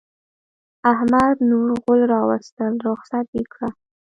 احمد نور غول راوستل؛ رخصت يې کړه.